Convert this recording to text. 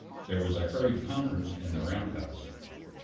There was a hurried conference in the round house.